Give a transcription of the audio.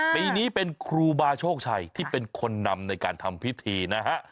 ปีนี้เป็นครูบาโชคชัยที่เป็นคนนำในการทำพิธีนะฮะ